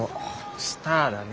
スターだね。